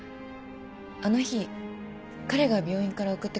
あの日彼が病院から送ってくれたんです。